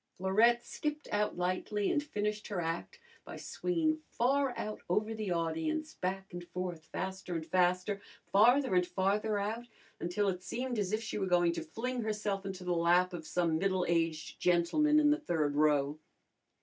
Florette skipped out lightly and finished her act by swinging far out over the audience, back and forth, faster and faster, farther and farther out, until it seemed as if she were going to fling herself into the lap of some middle aged gentleman in the third row.